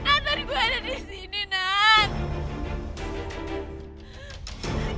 nathan gue ada di sini nathan